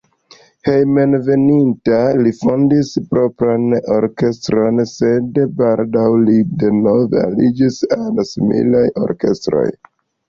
Hejmenveninta li fondis propran orkestron, sed baldaŭ li denove aliĝis al similaj orkestroj.